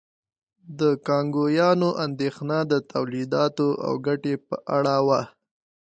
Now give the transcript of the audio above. د کانګویانو اندېښنه د تولیداتو او ګټې په اړه وه.